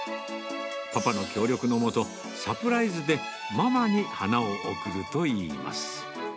パパの協力の下、サプライズでママに花を贈るといいます。